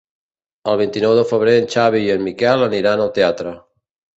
El vint-i-nou de febrer en Xavi i en Miquel aniran al teatre.